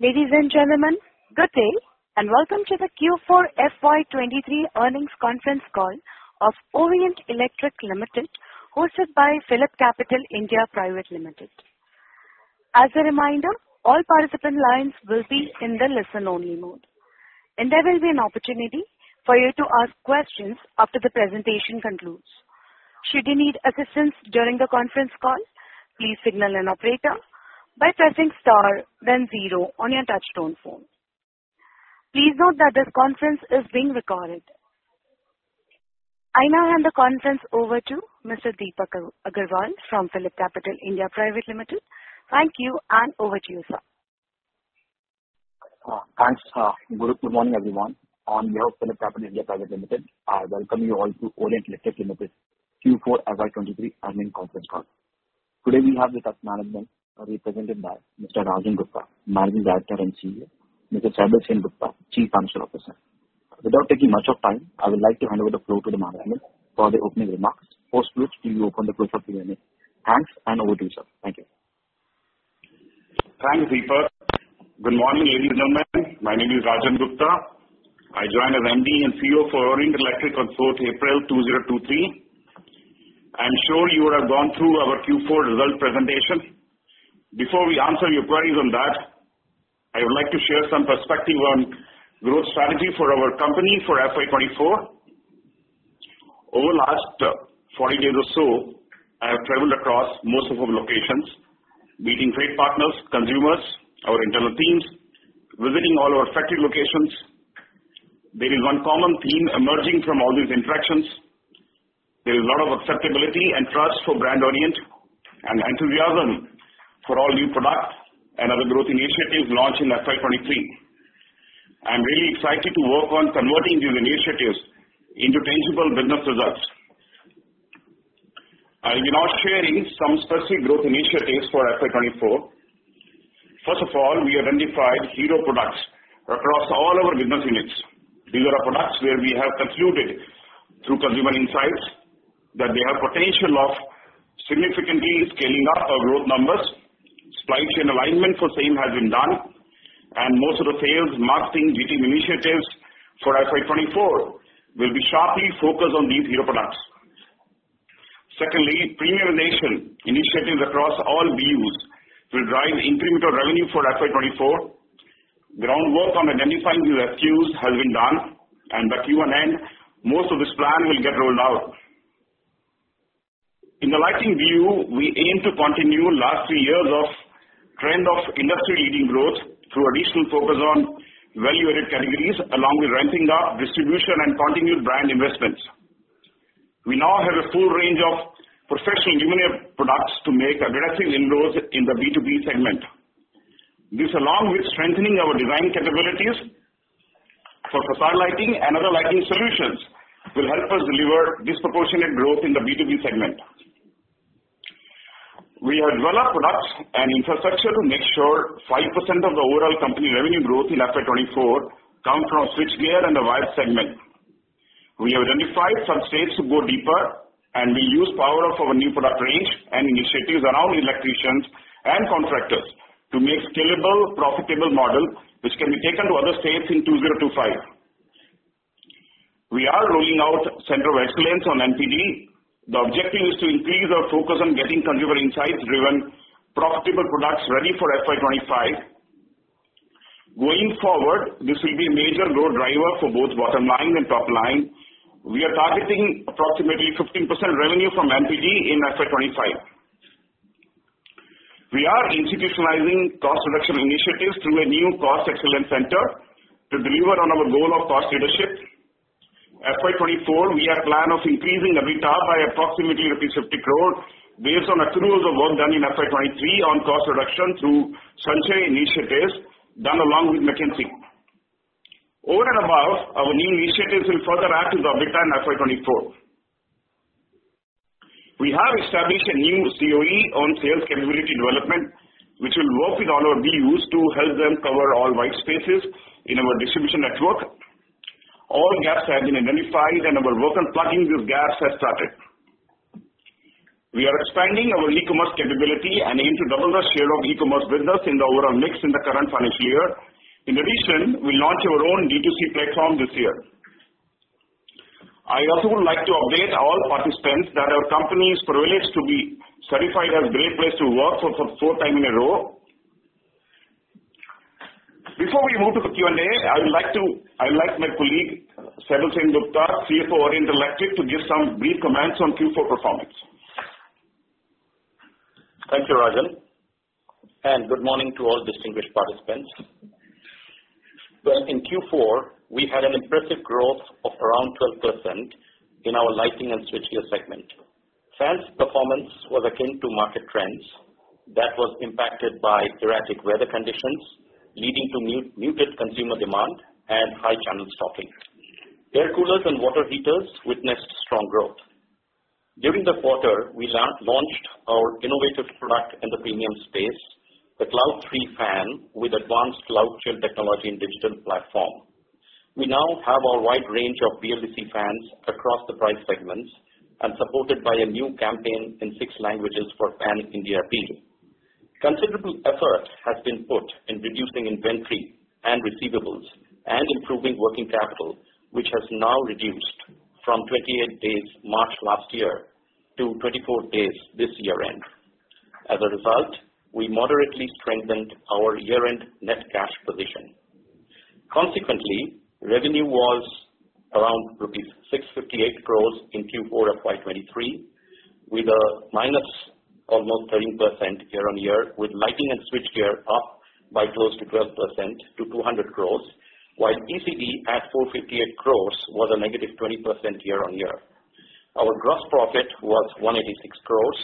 Ladies and gentlemen, good day, and welcome to the Q4 FY 2023 earnings conference call of Orient Electric Limited, hosted by PhillipCapital (India) Private Limited. As a reminder, all participant lines will be in the listen-only mode, and there will be an opportunity for you to ask questions after the presentation concludes. Should you need assistance during the conference call, please signal an operator by pressing star then zero on your touchtone phone. Please note that this conference is being recorded. I now hand the conference over to Mr. Deepak Agarwal from PhillipCapital (India) Private Limited. Thank you, and over to you, sir. Thanks, good morning, everyone. On behalf of PhillipCapital (India) Private Limited, I welcome you all to Orient Electric Limited Q4 FY 2023 earnings conference call. Today we have the top management represented by Mr. Rajan Gupta, Managing Director and CEO, Mr. Saibal Sengupta, Chief Financial Officer. Without taking much of time, I would like to hand over the floor to the management for the opening remarks. Post which we will open the floor for Q&A. Thanks, over to you, sir. Thank you. Thanks, Deepak. Good morning, ladies and gentlemen. My name is Rajan Gupta. I joined as MD and CEO for Orient Electric on 4th April 2023. I am sure you would have gone through our Q4 result presentation. Before we answer your queries on that, I would like to share some perspective on growth strategy for our company for FY 2024. Over the last 14 years or so, I have traveled across most of our locations, meeting trade partners, consumers, our internal teams, visiting all our factory locations. There is one common theme emerging from all these interactions. There is a lot of acceptability and trust for brand Orient and enthusiasm for all new products and other growth initiatives launched in FY 2023. I am really excited to work on converting these initiatives into tangible business results. I'll be now sharing some specific growth initiatives for FY 2024. First of all, we identified hero products across all our business units. These are our products where we have concluded through consumer insights that they have potential of significantly scaling up our growth numbers. Supply chain alignment for same has been done, and most of the sales, marketing, gifting initiatives for FY 2024 will be sharply focused on these hero products. Secondly, premiumization initiatives across all BUs will drive incremental revenue for FY 2024. Groundwork on identifying these FQs has been done, and by Q1 end, most of this plan will get rolled out. In the lighting BU, we aim to continue last three years of trend of industry-leading growth through a recent focus on value-added categories, along with ramping up distribution and continued brand investments. We now have a full range of professional luminaire products to make aggressive inroads in the B2B segment. This, along with strengthening our design capabilities for profile lighting and other lighting solutions, will help us deliver disproportionate growth in the B2B segment. We have developed products and infrastructure to make sure 5% of the overall company revenue growth in FY 2024 come from switchgear and the wire segment. We identified some states to go deeper, and we use power of our new product range and initiatives around electricians and contractors to make scalable, profitable model which can be taken to other states in 2025. We are rolling out Centre of Excellence on NPD. The objective is to increase our focus on getting consumer insights-driven profitable products ready for FY 2025. Going forward, this will be a major growth driver for both bottom line and top line. We are targeting approximately 15% revenue from NPD in FY 2025. We are institutionalizing cost reduction initiatives through a new cost excellence center to deliver on our goal of cost leadership. FY 2024, we have plan of increasing EBITDA by approximately rupees 50 crore based on accruals of work done in FY 2023 on cost reduction through Sanjay initiatives done along with McKinsey. Over and above, our new initiatives will further add to the EBITDA in FY 2024. We have established a new COE on sales capability development, which will work with all our BUs to help them cover all white spaces in our distribution network. All gaps have been identified and our work on plugging these gaps has started. We are expanding our e-commerce capability and aim to double the share of e-commerce business in the overall mix in the current financial year. We'll launch our own D2C platform this year. I also would like to update all participants that our company is privileged to be certified as a Great Place to Work for the fourth time in a row. Before we move to the Q&A, I would like my colleague, Saibal Sengupta, CFO Orient Electric, to give some brief comments on Q4 performance. Thank you, Rajan. Good morning to all distinguished participants. Well, in Q4, we had an impressive growth of around 12% in our lighting and switchgear segment. Fans performance was akin to market trends that was impacted by erratic weather conditions, leading to muted consumer demand and high channel stocking. Air coolers and water heaters witnessed strong growth. During the quarter, we launched our innovative product in the premium space, the Cloud 3 fan with advanced Cloudchill Technology and digital platform. We now have a wide range of BLDC fans across the price segments and supported by a new campaign in six languages for pan-India appeal. Considerable effort has been put in reducing inventory and receivables and improving working capital, which has now reduced from 28 days March last year to 24 days this year-end. As a result, we moderately strengthened our year-end net cash position. Consequently, revenue was around rupees 658 crores in Q4 of FY 2023, with a minus almost 13% year-on-year, with lighting and switchgear up by close to 12% to 200 crores, while ECD at 458 crores was a -20% year-on-year. Our gross profit was 186 crores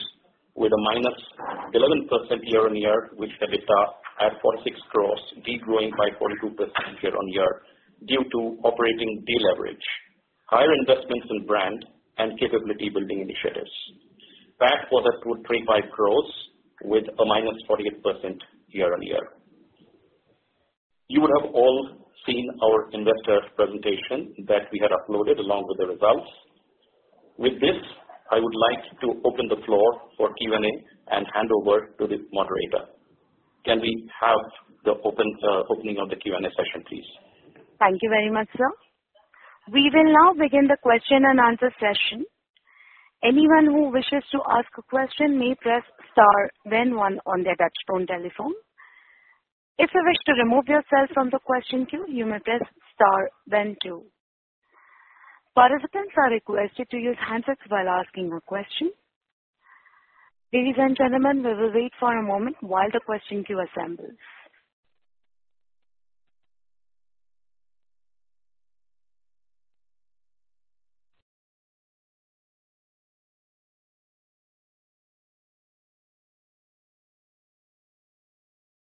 with a -11% year-on-year, with EBITDA at 46 crores, degrowing by 42% year-on-year due to operating deleverage, higher investments in brand and capability building initiatives. PAT was at 235 crores, with a -48% year-on-year. You would have all seen our investor presentation that we had uploaded along with the results. With this, I would like to open the floor for Q&A and hand over to the moderator. Can we have the opening of the Q&A session, please? Thank you very much, sir. We will now begin the question and answer session. Anyone who wishes to ask a question may press star then one on their touchtone telephone. If you wish to remove yourself from the question queue, you may press star then two. Participants are requested to use handsets while asking a question. Ladies and gentlemen, we will wait for a moment while the question queue assembles.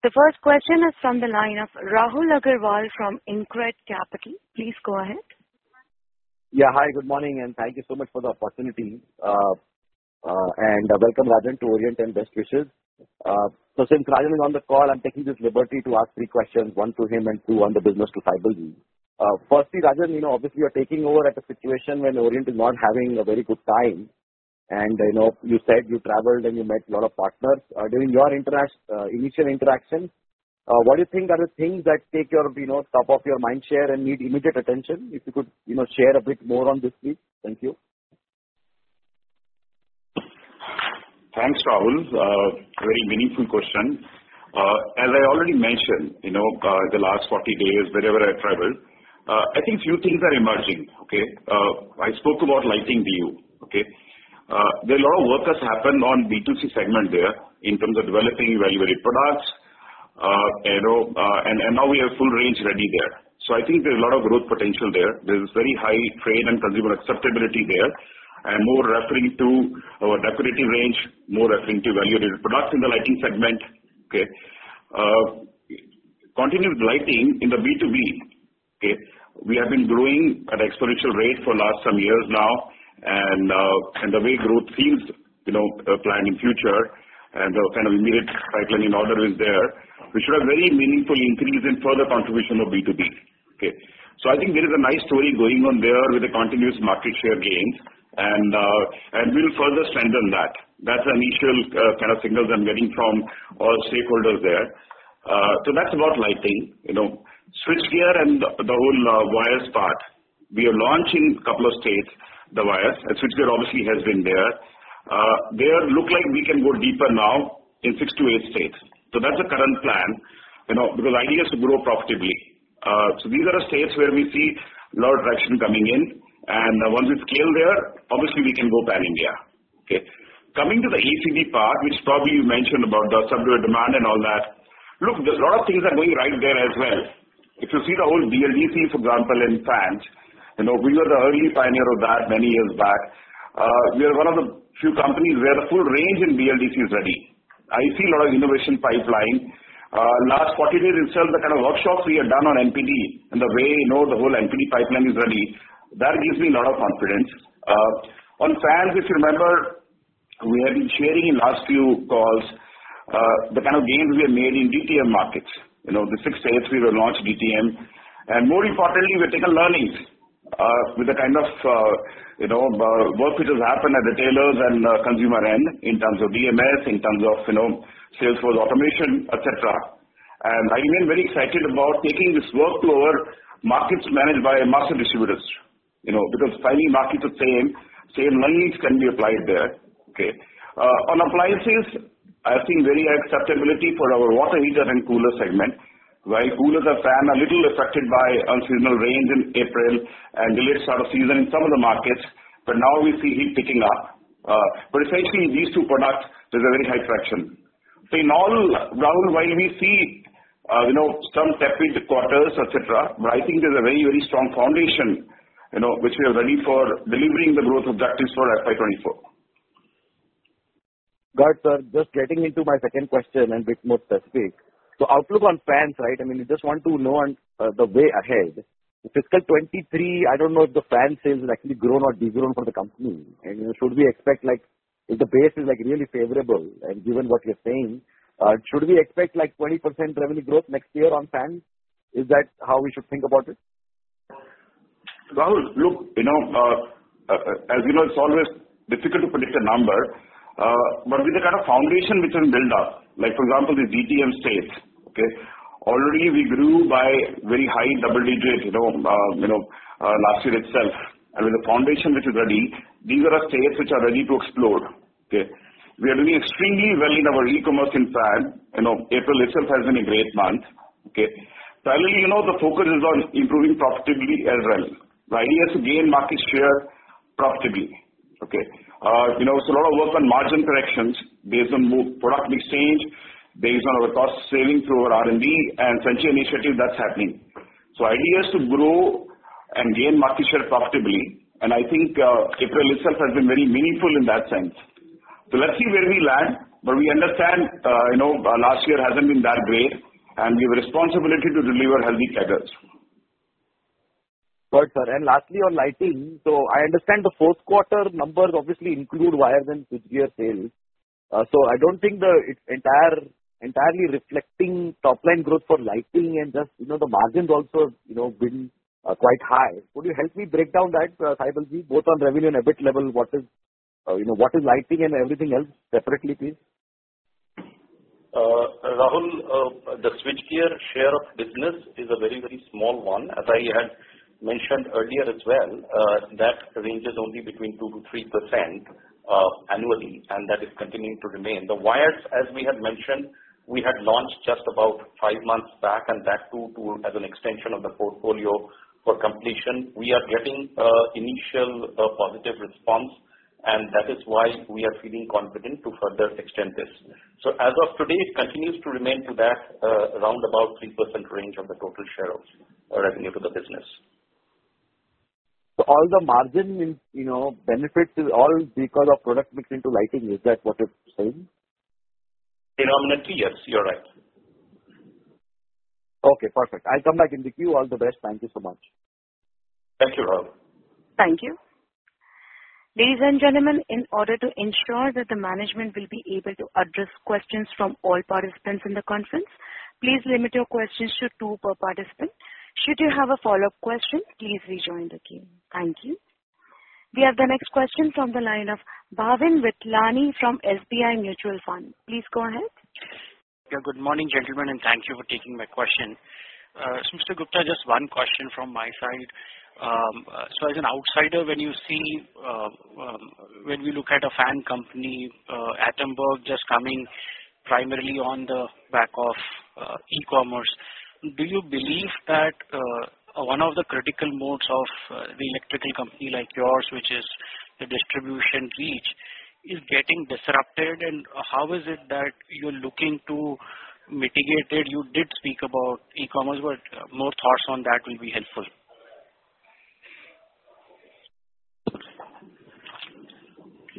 The first question is from the line of Rahul Agarwal from InCred Capital. Please go ahead. Yeah. Hi, good morning, and thank you so much for the opportunity. Welcome, Rajan, to Orient, and best wishes. Since Rajan is on the call, I'm taking this liberty to ask three questions, one to him, and two on the business to Saibalji. Firstly, Rajan, you know, obviously you're taking over at a situation when Orient is not having a very good time. I know you said you traveled and you met a lot of partners. During your initial interaction, what do you think are the things that take your, you know, top of your mind share and need immediate attention? If you could, you know, share a bit more on this, please. Thank you. Thanks, Rahul. Very meaningful question. As I already mentioned, you know, the last 40 days wherever I traveled, I think few things are emerging. Okay. I spoke about lighting BU. Okay. There a lot of work has happened on B2C segment there in terms of developing value-added products. You know, and now we have full range ready there. I think there's a lot of growth potential there. There's very high trade and consumer acceptability there, and more referring to our decorative range, more referring to value-added products in the lighting segment. Okay. Continuing with lighting in the B2B, okay, we have been growing at exponential rate for last some years now and the way growth seems, you know, planned in future and the kind of immediate pipeline in order is there, we should have very meaningful increase in further contribution of B2B. Okay? I think there is a nice story going on there with the continuous market share gains and, we'll further strengthen that. That's the initial kind of signals I'm getting from all stakeholders there. That's about lighting. You know, switchgear and the whole wires part, we are launching couple of states, the wires. Switchgear obviously has been there. There look like we can go deeper now in six to eight states. That's the current plan, you know, because idea is to grow profitably. These are the states where we see lot of traction coming in. Once we scale there, obviously we can go pan-India. Coming to the ECD part, which probably you mentioned about the subdued demand and all that. There's a lot of things are going right there as well. If you see the whole BLDC, for example, in fans, you know, we were the early pioneer of that many years back. We are one of the few companies where the full range in BLDC is ready. I see a lot of innovation pipeline. Last 40 days itself, the kind of workshops we have done on NPD and the way, you know, the whole NPD pipeline is ready, that gives me a lot of confidence. On fans, if you remember, we have been sharing in last few calls, the kind of gains we have made in DTM markets. You know, the six states we will launch DTM. More importantly, we've taken learnings, with the kind of, you know, work which has happened at retailers and consumer end in terms of DMS, in terms of, you know, sales force automation, et cetera. I remain very excited about taking this work to our markets managed by master distributors. You know, because finally markets are same learnings can be applied there. Okay? On appliances, I have seen very high acceptability for our water heater and cooler segment. While coolers and fan are little affected by unseasonal rains in April and delayed start of season in some of the markets, but now we see heat picking up. Essentially these two products, there's a very high traction. In all, Rahul, while we see, you know, some tepid quarters, et cetera, but I think there's a very, very strong foundation, you know, which we are ready for delivering the growth objectives for FY 2024. Got, sir. Just getting into my second question and bit more specific. Outlook on fans, right? I mean, I just want to know on the way ahead. Fiscal 2023, I don't know if the fan sales will actually grow or degrow for the company. If the base is, like, really favorable and given what you're saying, should we expect like 20% revenue growth next year on fans? Is that how we should think about it? Rahul, look, you know, as you know, it's always difficult to predict a number. But with the kind of foundation which has built up, like for example, the DTM states, okay? Already we grew by very high double digits, you know, last year itself. With the foundation which is ready, these are our states which are ready to explode. Okay. We are doing extremely well in our e-commerce in fan. You know, April itself has been a great month. Okay. I think, you know, the focus is on improving profitability as well. The idea is to gain market share profitably. Okay. You know, a lot of work on margin corrections based on more product mix change, based on our cost savings through our R&D and central initiative that's happening. Idea is to grow and gain market share profitably, I think, April itself has been very meaningful in that sense. Let's see where we land, but we understand, you know, last year hasn't been that great, we have a responsibility to deliver healthy categories. Got it, sir. Lastly, on lighting. I understand the fourth quarter numbers obviously include wires and switchgear sales. I don't think it's entirely reflecting top line growth for lighting and just, you know, the margins also, you know, been quite high. Could you help me break down that, Saibalji, both on revenue and EBIT level, what is, you know, what is lighting and everything else separately, please? Rahul, the switchgear share of business is a very, very small one. As I had mentioned earlier as well, that ranges only between 2%-3% annually, and that is continuing to remain. The wires, as we had mentioned, we had launched just about five months back, and that too as an extension of the portfolio for completion. We are getting initial positive response, and that is why we are feeling confident to further extend this. As of today, it continues to remain to that around about 3% range of the total share of revenue to the business. All the margin in, you know, benefits is all because of product mix into lighting. Is that what you're saying? You know, mainly, yes, you're right. Okay, perfect. I'll come back in the queue. All the best. Thank you so much. Thank you, Rahul. Thank you. Ladies and gentlemen, in order to ensure that the management will be able to address questions from all participants in the conference, please limit your questions to two per participant. Should you have a follow-up question, please rejoin the queue. Thank you. We have the next question from the line of Bhavin Vithlani from SBI Mutual Fund. Please go ahead. Good morning, gentlemen. Thank you for taking my question. Mr. Gupta, just one question from my side. As an outsider, when you see, when we look at a fan company, Atomberg just coming primarily on the back of e-commerce, do you believe that, one of the critical modes of the electrical company like yours, which is the distribution reach, is getting disrupted? How is it that you're looking to mitigate it? You did speak about e-commerce, more thoughts on that will be helpful.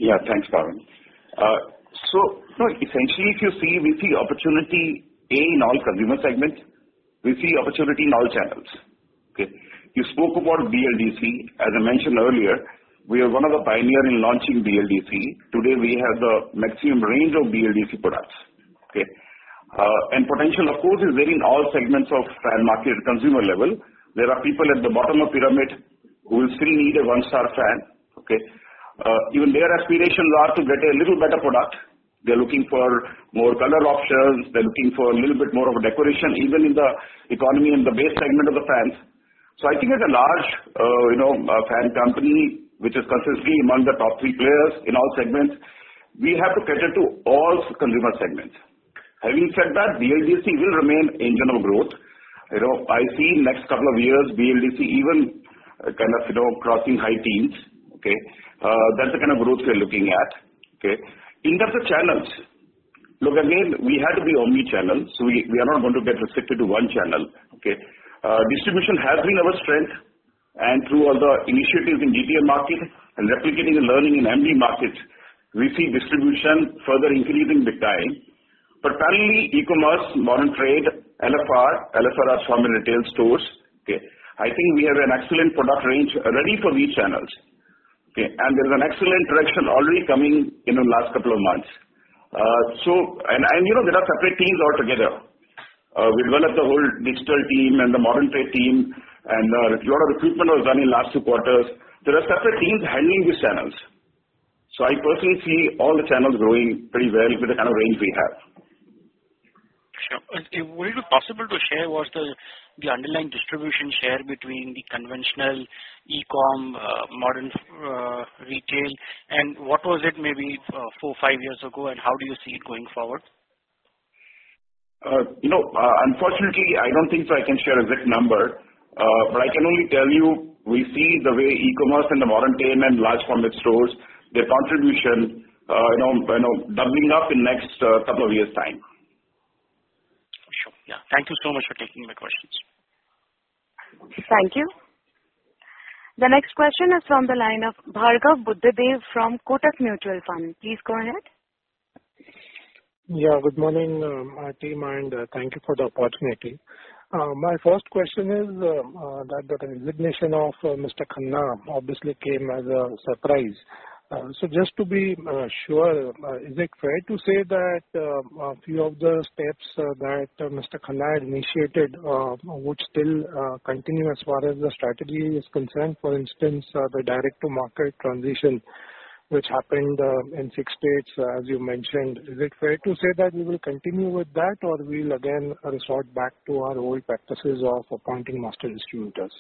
Thanks, Bhavin. You know, essentially, if you see, we see opportunity, A, in all consumer segments. We see opportunity in all channels. You spoke about BLDC. As I mentioned earlier, we are one of the pioneer in launching BLDC. Today, we have the maximum range of BLDC products. Potential, of course, is there in all segments of fan market at consumer level. There are people at the bottom of pyramid who will still need a one-star fan. Even their aspirations are to get a little better product. They're looking for more color options. They're looking for a little bit more of a decoration, even in the economy, in the base segment of the fans. I think as a large, you know, fan company, which is consistently among the top three players in all segments, we have to cater to all consumer segments. Having said that, BLDC will remain engine of growth. You know, I see next couple of years BLDC even kind of, you know, crossing high teens. Okay. That's the kind of growth we are looking at. Okay. In terms of channels, look, again, we had to be omni-channel, so we are not going to get restricted to one channel. Okay. Distribution has been our strength and through all the initiatives in DTM market and replicating and learning in MD markets, we see distribution further increasing with time. Currently, e-commerce, modern trade, LFR. LFR are small and retail stores. Okay. I think we have an excellent product range ready for these channels. Okay. There's an excellent traction already coming in the last couple of months. You know, there are separate teams all together. We developed the whole digital team and the modern trade team and lot of recruitment was done in last two quarters. There are separate teams handling these channels. I personally see all the channels growing pretty well with the kind of range we have. Sure. Would it be possible to share what's the underlying distribution share between the conventional e-com, modern, retail, and what was it maybe, four, five years ago, and how do you see it going forward? You know, unfortunately, I don't think so I can share an exact number. I can only tell you, we see the way e-commerce and the modern trade and large format stores, their contribution, you know, doubling up in next couple of years' time. Sure. Yeah. Thank you so much for taking my questions. Thank you. The next question is from the line of Bhargav Buddhadev from Kotak Mutual Fund. Please go ahead. Good morning, team, and thank you for the opportunity. My first question is that the resignation of Mr. Khanna obviously came as a surprise. Just to be sure, is it fair to say that a few of the steps that Mr. Khanna had initiated would still continue as far as the strategy is concerned, for instance, the direct-to-market transition which happened in six states, as you mentioned. Is it fair to say that we will continue with that or we'll again resort back to our old practices of appointing master distributors?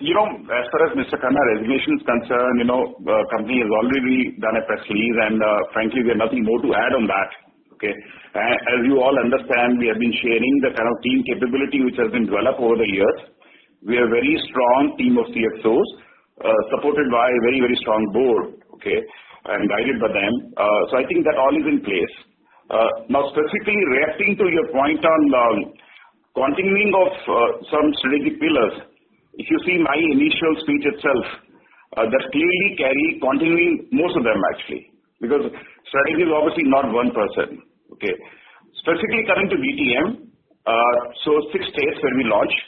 You know, as far as Mr. Khanna resignation is concerned, you know, company has already done a press release, and, frankly, we have nothing more to add on that. Okay? As you all understand, we have been sharing the kind of team capability which has been developed over the years. We are a very strong team of CXOs, supported by a very, very strong board, okay, and guided by them. I think that all is in place. Now, specifically reacting to your point on, continuing of, some strategic pillars. If you see my initial speech itself, that clearly carry continuing most of them actually, because strategy is obviously not one person. Okay? Specifically coming to DTM, six states where we launched,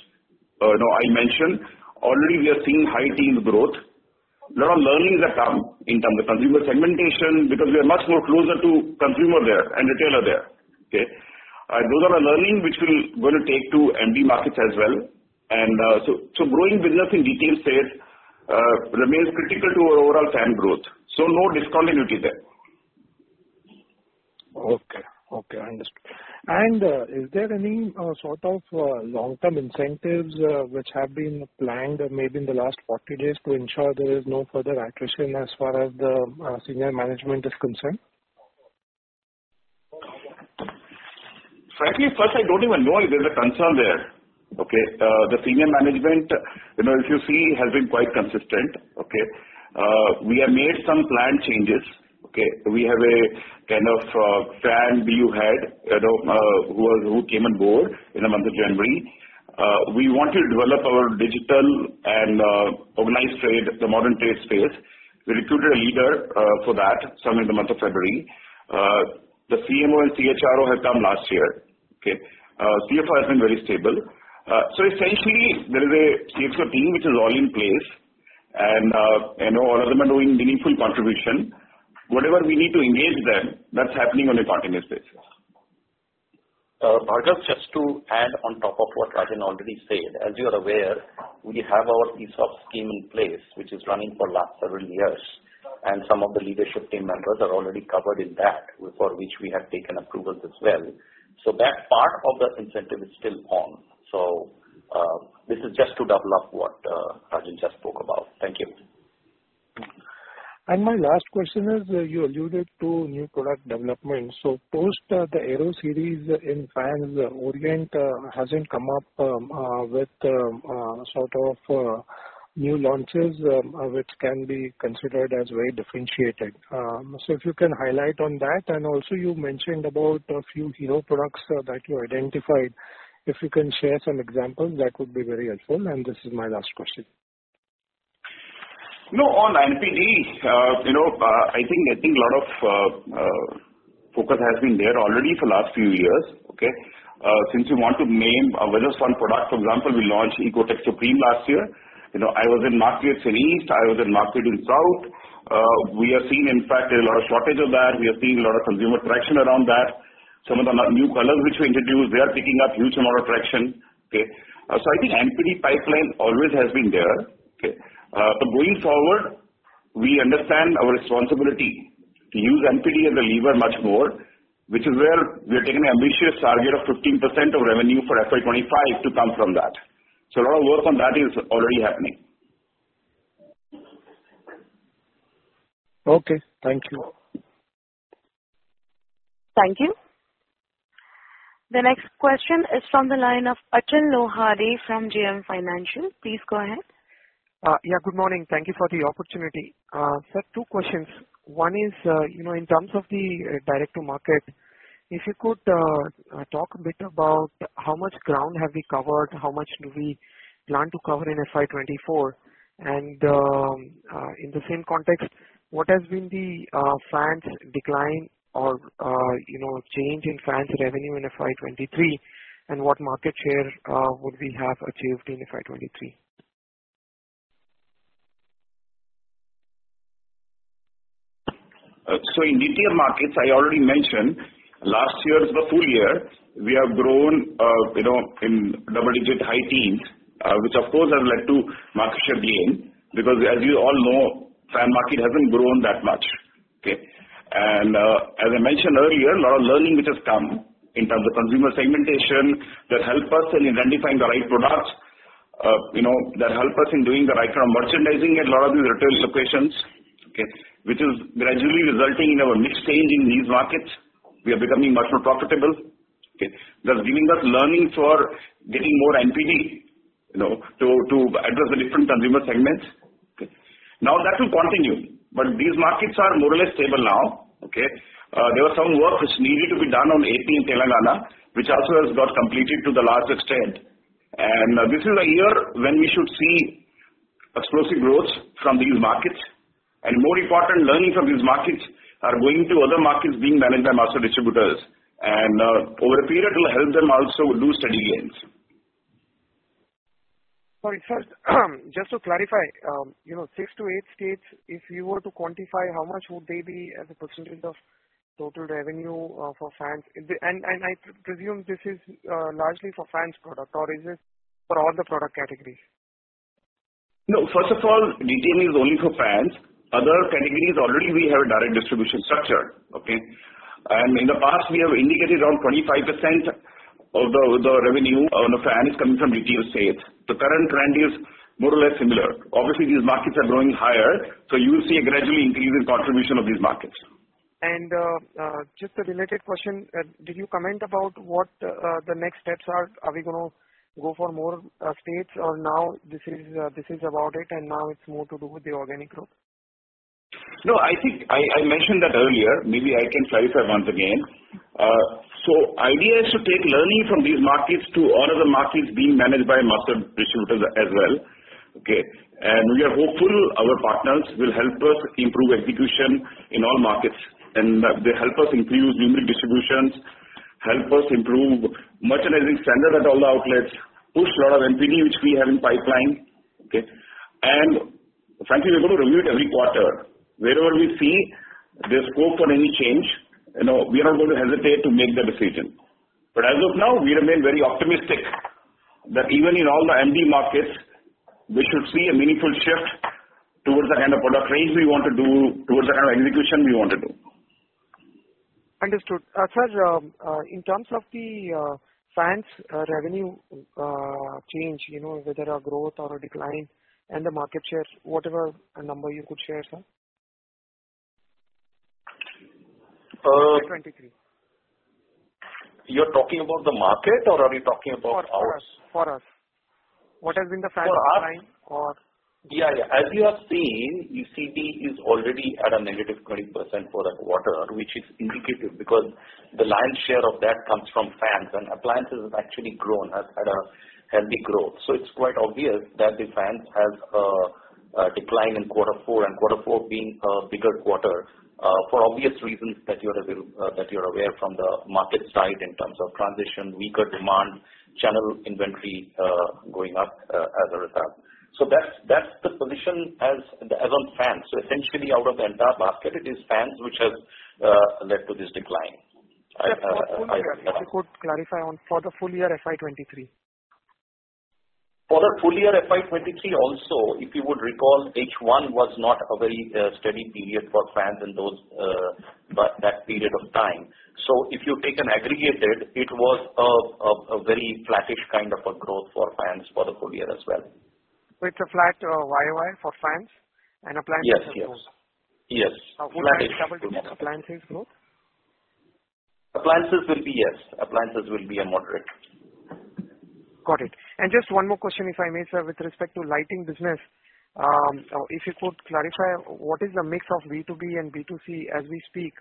no, I mentioned already we are seeing high teens growth. Lot of learnings that come in terms of consumer segmentation because we are much more closer to consumer there and retailer there. Okay? Those are the learning which we'll gonna take to MD markets as well. Growing business in detail sales remains critical to our overall fan growth, so no discontinuity there. Okay. Okay, I understand. Is there any sort of long-term incentives which have been planned maybe in the last 40 days to ensure there is no further attrition as far as the senior management is concerned? Frankly, first, I don't even know if there's a concern there. Okay. The senior management, you know, if you see, has been quite consistent. Okay. We have made some plan changes. Okay. We have a kind of fan BU head, you know, who came on board in the month of January. We want to develop our digital and organize trade, the modern trade space. We recruited a leader for that some in the month of February. The CMO and CHRO had come last year. Okay. CFO has been very stable. Essentially there is a CXO team which is all in place and all of them are doing meaningful contribution. Whatever we need to engage them, that's happening on a continuous basis. Bharat, just to add on top of what Rajan already said. As you are aware, we have our ESOP scheme in place, which is running for last several years, and some of the leadership team members are already covered in that, for which we have taken approvals as well. That part of the incentive is still on. This is just to double up what Rajan just spoke about. Thank you. My last question is, you alluded to new product development. Post the Aero Series in fans, Orient hasn't come up with sort of new launches which can be considered as very differentiated. If you can highlight on that. Also you mentioned about a few hero products that you identified. If you can share some examples, that would be very helpful. This is my last question. No, on NPD, you know, I think a lot of focus has been there already for last few years. Okay? Since you want to name a well known product, for example, we launched EcoTech Supreme last year. You know, I was in market in East, I was in market in South. We are seeing in fact a lot of shortage of that. We are seeing a lot of consumer traction around that. Some of the new colors which we introduced, they are picking up huge amount of traction. Okay? I think NPD pipeline always has been there. Okay? Going forward, we understand our responsibility to use NPD as a lever much more, which is where we have taken an ambitious target of 15% of revenue for FY 2025 to come from that. A lot of work on that is already happening. Okay. Thank you. Thank you. The next question is from the line of Achal Lohade from JM Financial. Please go ahead. Yeah, good morning. Thank you for the opportunity. Sir, two questions. One is, you know, in terms of the direct to market, if you could talk a bit about how much ground have we covered, how much do we plan to cover in FY 2024? In the same context, what has been the fans decline or, you know, change in fans revenue in FY 2023? What market share would we have achieved in FY 2023? In DTM markets, I already mentioned last year's the full year we have grown, you know in double digit high teens, which of course has led to market share gain because as you all know, fan market hasn't grown that much. Okay? As I mentioned earlier, a lot of learning which has come in terms of consumer segmentation that help us in identifying the right products, you know, that help us in doing the right kind of merchandising in a lot of these retail situations, okay, which is gradually resulting in our mix change in these markets. We are becoming much more profitable. Okay? That's giving us learning for getting more NPD, you know, to address the different consumer segments. Okay? Now that will continue, but these markets are more or less stable now. Okay? There was some work which needed to be done on AP and Telangana, which also has got completed to the large extent. This is a year when we should see explosive growth from these markets and more important learning from these markets are going to other markets being managed by master distributors and over a period will help them also do steady gains. Sorry, sir. Just to clarify, you know six to eight states, if you were to quantify, how much would they be as a percentage of total revenue for fans? I presume this is largely for fans product or is this for all the product categories? First of all, retail is only for fans. Other categories already we have a direct distribution structure. In the past we have indicated around 25% of the revenue on the fans coming from retail sales. The current trend is more or less similar. These markets are growing higher, so you will see a gradually increasing contribution of these markets. Just a related question. Did you comment about what the next steps are? Are we gonna go for more states or now this is this about it, and now it's more to do with the organic growth? No, I think I mentioned that earlier. Maybe I can clarify once again. Idea is to take learning from these markets to all other markets being managed by master distributors as well. We are hopeful our partners will help us improve execution in all markets, and they help us improve numeric distributions, help us improve merchandising standard at all the outlets, push lot of NPD which we have in pipeline. Frankly, we're going to review it every quarter. Wherever we see there's scope for any change, you know, we are not going to hesitate to make the decision. As of now, we remain very optimistic that even in all the MD markets, we should see a meaningful shift towards the kind of product range we want to do, towards the kind of execution we want to do. Understood. sir, in terms of the fans, revenue, change, you know, whether a growth or a decline and the market shares, what are a number you could share, sir? Uh- FY 2023. You're talking about the market or are we talking about ours? For us. What has been the fans decline? For us. Yeah, yeah. As you have seen, ECT is already at -20% for that quarter, which is indicative because the lion's share of that comes from fans and appliances has actually grown, has had a healthy growth. It's quite obvious that the fans has a decline in quarter four, and quarter four being a bigger quarter for obvious reasons that you're aware from the market side in terms of transition, weaker demand, channel inventory going up as a result. That's, that's the position as on fans. Essentially out of the entire basket, it is fans which has led to this decline. If you could clarify on for the full year FY 2023. For the full year FY 2023 also, if you would recall, H1 was not a very steady period for fans in those that period of time. If you take an aggregated, it was a very flattish kind of a growth for fans for the full year as well. It's a flat, YoY for fans and appliances have grown. Yes. Yes. Yes. Flattish. Would you double check appliances growth? Appliances will be yes. Appliances will be a moderate. Got it. Just one more question, if I may, sir, with respect to lighting business. If you could clarify what is the mix of B2B and B2C as we speak,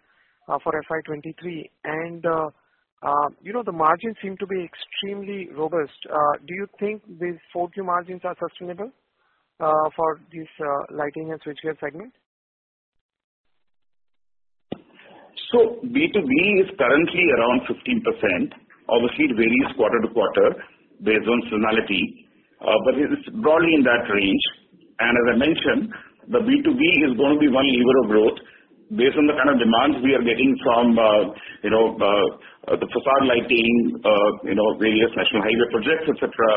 for FY 2023 and, you know, the margins seem to be extremely robust. Do you think these 4Q margins are sustainable for this lighting and switches segment? B2B is currently around 15%. Obviously, it varies quarter to quarter based on seasonality, but it's broadly in that range. As I mentioned, the B2B is gonna be one lever of growth based on the kind of demands we are getting from, you know, the facade lighting, you know, various national highway projects, et cetera.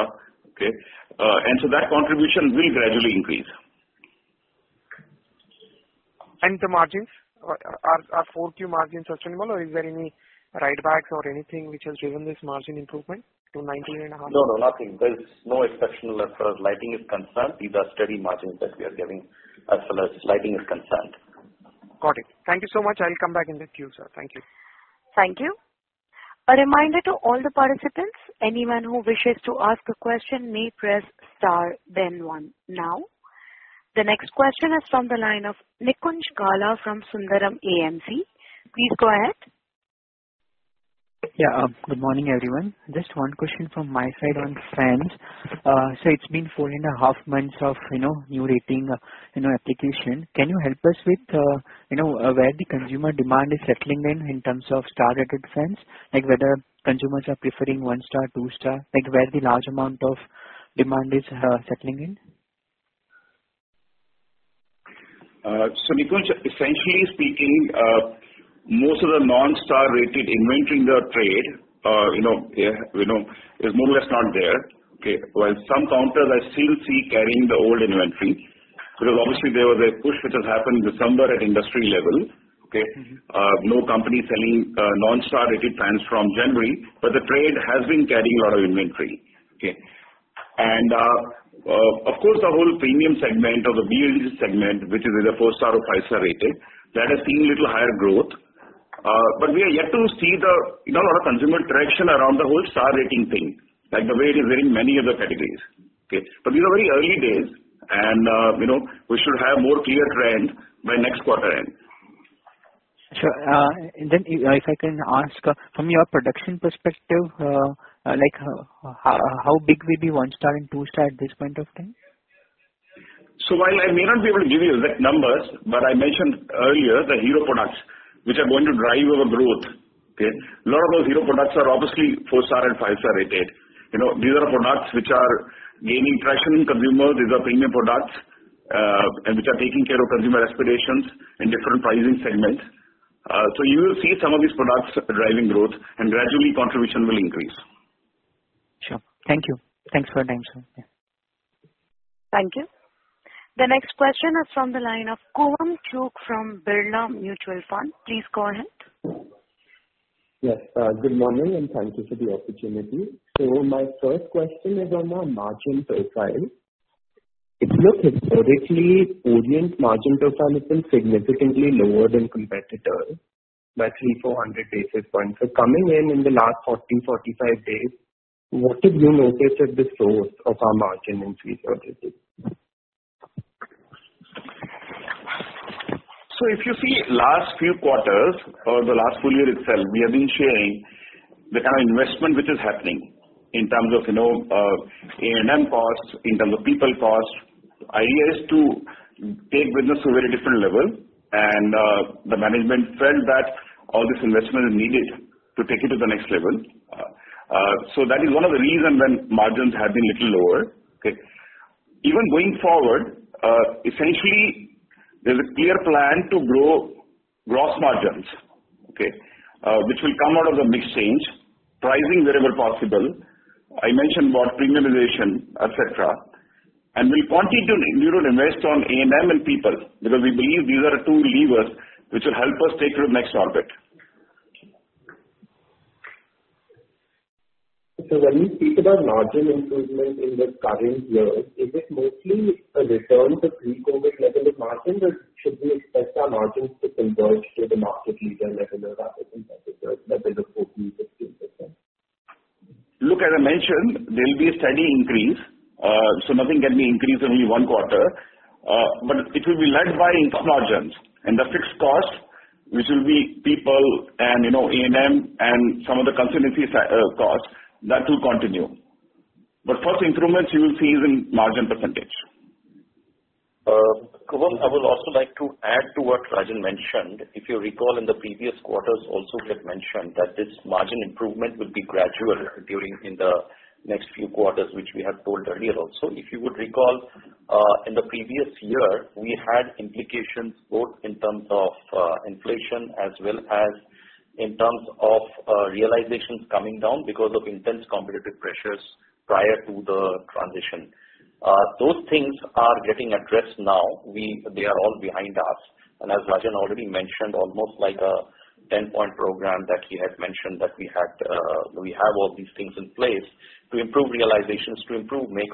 Okay. That contribution will gradually increase. The margins? Are 4Q margins sustainable or is there any write backs or anything which has driven this margin improvement to 19.5%? No, no. Nothing. There is no exceptional as far as lighting is concerned. These are steady margins that we are getting as far as lighting is concerned. Got it. Thank you so much. I'll come back in the queue, sir. Thank you. Thank you. A reminder to all the participants, anyone who wishes to ask a question may press star then one now. The next question is from the line of Nikunj Gala from Sundaram AMC. Please go ahead. Yeah. good morning, everyone. Just one question from my side on fans. It's been 4.5 months of, you know, new rating, you know, application. Can you help us with, you know, where the consumer demand is settling in in terms of star-rated fans? Like, whether consumers are preferring 1-star, 2-star, like, where the large amount of demand is settling in. Nikunj, essentially speaking, most of the non star-rated inventory in the trade, you know, you know, is more or less not there. Okay. While some counters are still carrying the old inventory, because obviously there was a push which has happened December at industry level. Okay. Mm-hmm. No company selling, non star-rated fans from January, but the trade has been carrying a lot of inventory. Okay. Of course, the whole premium segment or the BLDC segment, which is the 4-star or 5-star rating, that has seen little higher growth. We are yet to see the, you know, lot of consumer traction around the whole star rating thing, like the way it is in many other categories. Okay. These are very early days, you know, we should have more clear trends by next quarter end. Sure. Then if I can ask from your production perspective, how big will be one star and two star at this point of time? While I may not be able to give you exact numbers, I mentioned earlier the hero products which are going to drive our growth, okay? A lot of those hero products are obviously 4-star and 5-star rated. You know, these are products which are gaining traction in consumers. These are premium products, and which are taking care of consumer aspirations in different pricing segments. You will see some of these products driving growth and gradually contribution will increase. Sure. Thank you. Thanks for your time, sir. Yeah. Thank you. The next question is from the line of Kuvam Chugh from Birla Mutual Fund. Please go ahead. Yes. Good morning, and thank you for the opportunity. My first question is on our margin profile. It looks historically, Orient's margin profile has been significantly lower than competitors by 300 basis points-400 basis points. Coming in the last 40 days-45 days, what have you noticed at the source of our margin increase or decrease? If you see last few quarters or the last full year itself, we have been sharing the kind of investment which is happening in terms of, you know, A&M costs, in terms of people costs. Idea is to take business to a very different level. The management felt that all this investment is needed to take it to the next level. That is one of the reason when margins have been little lower. Okay. Even going forward, essentially there's a clear plan to grow gross margins, which will come out of the mix change, pricing wherever possible. I mentioned about premiumization, et cetera. We'll continue to invest on A&M and people because we believe these are the two levers which will help us take to the next orbit. When you speak about margin improvement in the current year, is it mostly a return to pre-COVID level of margins, or should we expect our margins to converge to the market leader level of our competitors that is 14%, 16%? As I mentioned, there will be a steady increase. Nothing can be increased in only one quarter, but it will be led by income margins and the fixed costs, which will be people and, you know, A&M and some of the consumer fees, costs that will continue. First improvements you will see is in margin percentage. Kum, I would also like to add to what Rajan mentioned. If you recall in the previous quarters also we had mentioned that this margin improvement will be gradual during, in the next few quarters, which we have told earlier also. If you would recall, in the previous year, we had implications both in terms of inflation as well as in terms of realizations coming down because of intense competitive pressures prior to the transition. Those things are getting addressed now. They are all behind us. As Rajan already mentioned, almost like a 10-point program that he had mentioned that we had, we have all these things in place to improve realizations, to improve mix.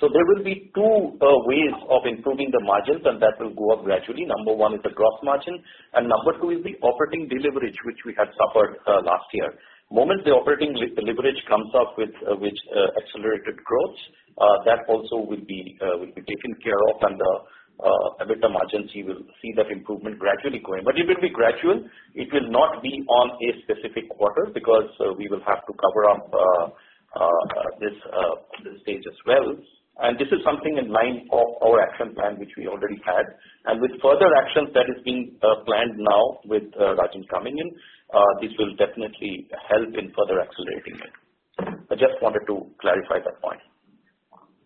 There will be two ways of improving the margins, and that will go up gradually. Number one is the gross margin, and number two is the operating deleverage which we had suffered last year. Moment the operating leverage comes up with accelerated growth, that also will be taken care of and a bit of margins you will see that improvement gradually growing. It will be gradual. It will not be on a specific quarter because we will have to cover up this stage as well. This is something in line of our action plan, which we already had. With further actions that is being planned now with Rajan coming in, this will definitely help in further accelerating it. I just wanted to clarify that point.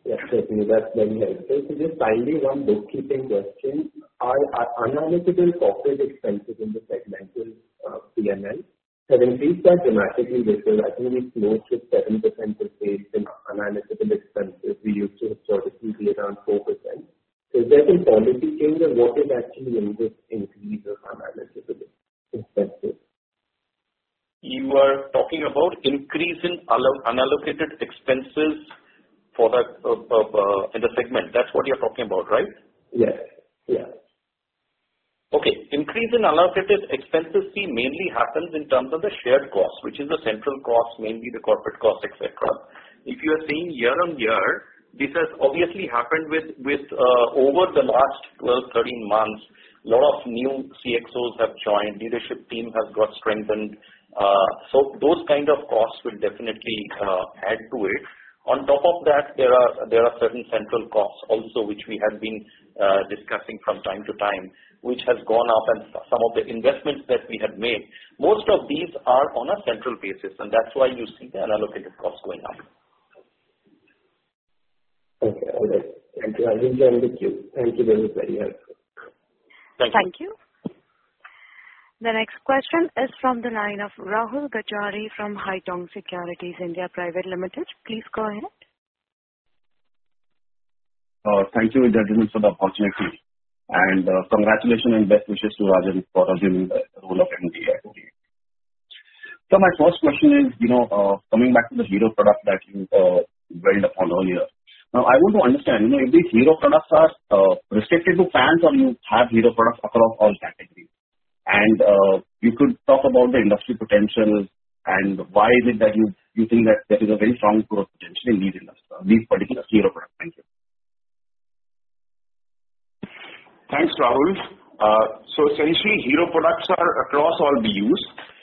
Yes, certainly. That's very helpful. Just finally, one bookkeeping question. Are unallocated corporate expenses in the segmental P&L have increased quite dramatically this year? I think it's close to 7% of sales in unallocated expenses. We used to historically be around 4%. Is that a policy change and what is actually in this increase of unallocated expenses? You are talking about increase in unallocated expenses for that in the segment. That's what you're talking about, right? Yes. Yes. Okay. Increase in unallocated expenses fee mainly happens in terms of the shared costs, which is the central costs, mainly the corporate costs, et cetera. If you are seeing year-over-year, this has obviously happened with over the last 12 months, 13 months, lot of new CXOs have joined, leadership team has got strengthened. Those kind of costs will definitely add to it. On top of that, there are certain central costs also which we have been discussing from time to time, which has gone up, and some of the investments that we have made. Most of these are on a central basis, and that's why you see the unallocated costs going up. Okay. All right. Thank you, Rajan. Thank you. Thank you very, very helpful. Thank you. The next question is from the line of Rahul Gajare from Haitong Securities India Private Limited. Please go ahead. Thank you, gentlemen, for the opportunity. Congratulation and best wishes to Rajan for assuming the role of MD at Orient Electric. My first question is, you know, coming back to the hero product that you built upon earlier. Now, I want to understand, you know, if these hero products are restricted to fans or you have hero products across all categories. You could talk about the industry potential and why is it that you think that there is a very strong growth potential in these particular hero products. Thank you. Thanks, Rahul. Essentially hero products are across all BUs,